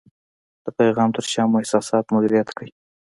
د پیغام تر شا مو احساسات مدیریت کړئ.